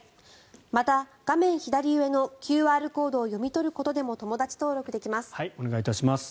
また、画面左上のＱＲコードを読み取ることでもお願いいたします。